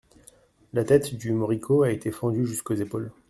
La tête du moricaud a été fendue jusqu'aux épaules.